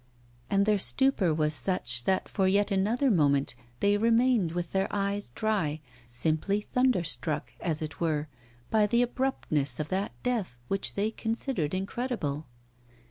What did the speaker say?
And their stupor was such that for yet another moment they remained with their eyes dry, simply thunderstruck, as it were, by the abruptness of that death which they considered incredible.